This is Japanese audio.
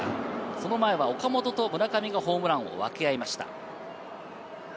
その前は岡本と村上がホームランを分け合いました。